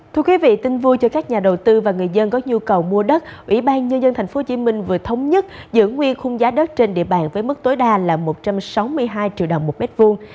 thưa quý vị tin vui cho các nhà đầu tư và người dân có nhu cầu mua đất ủy ban nhân dân tp hcm vừa thống nhất giữ nguyên khung giá đất trên địa bàn với mức tối đa là một trăm sáu mươi hai triệu đồng một mét vuông